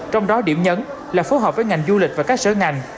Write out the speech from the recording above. trong đó điểm nhấn là phối hợp với ngành du lịch và các sở ngành